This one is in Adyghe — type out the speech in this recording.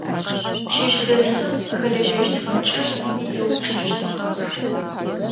Чэщдэсым хэлэжьэщтхэмкӏэ зыми еупчӏыжьыщтыгъэхэп.